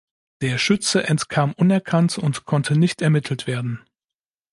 Der Schütze entkam unerkannt und konnte nicht ermittelt werden.